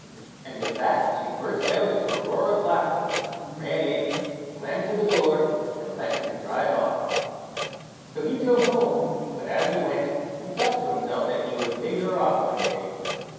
And with that she burst out into a roar of laughter, ran in, slammed to the door, and let him drive off. So he drove home; but as he went, he thought to himself that he would pay her off one day.